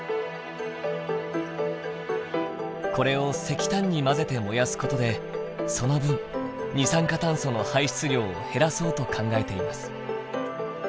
これを石炭に混ぜて燃やすことでその分二酸化炭素の排出量を減らそうと考えています。